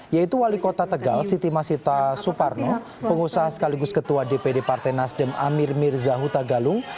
yaitu wali kota tegal siti masita suparno pengusaha sekaligus ketua dpd partai nasdem amir mirza huta galung